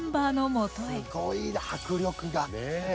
すごいな迫力が。